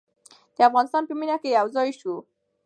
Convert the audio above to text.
د افغانستان په مینه کې یو ځای شو.